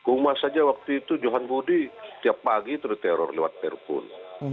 umas saja waktu itu johan budi tiap pagi itu teror lewat telepon